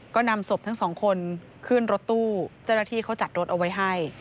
ก็นำศพทั้งสองคนขึ้นรถตู้เจ้าหน้าที่เขาจัดรถเอาไว้ให้